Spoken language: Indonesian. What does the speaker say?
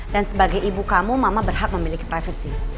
dan sebagai ibu kamu mama berhak memiliki privacy